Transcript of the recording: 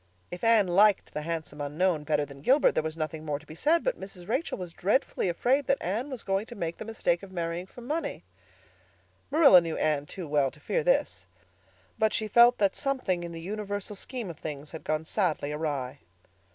If Anne "liked" the Handsome Unknown better than Gilbert there was nothing more to be said; but Mrs. Rachel was dreadfully afraid that Anne was going to make the mistake of marrying for money. Marilla knew Anne too well to fear this; but she felt that something in the universal scheme of things had gone sadly awry.